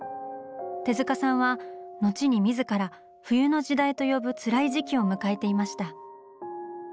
手さんは後に自ら「冬の時代」と呼ぶつらい時期を迎えていました。